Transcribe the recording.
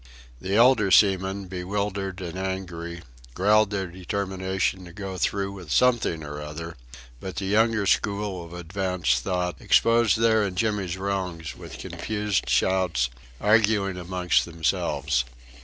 The elder seamen, bewildered and angry, growled their determination to go through with something or other; but the younger school of advanced thought exposed their and Jimmy's wrongs with confused shouts, arguing amongst themselves.